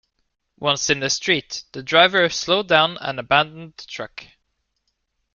Once in the street, the driver slowed down and abandoned the truck.